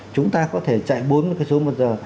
chúng ta có thể chạy bốn mươi kmh